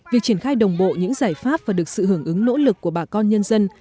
việc triển khai đồng bộ những giải pháp và được sự hưởng ứng nỗ lực của bà con nhân dân